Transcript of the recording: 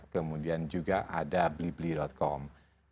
kemudian juga ada blibli com